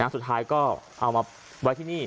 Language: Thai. สุดท้ายก็เอามาไว้ที่นี่